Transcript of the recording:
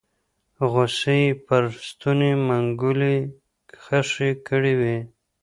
غصې يې پر ستوني منګولې خښې کړې وې